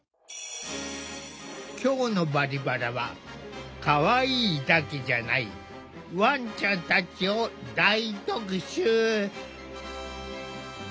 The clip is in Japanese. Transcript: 今日の「バリバラ」はかわいいだけじゃないワンちゃんたちを大特集！